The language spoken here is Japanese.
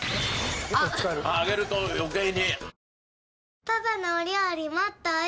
揚げると余計に。